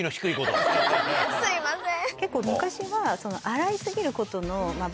すいません！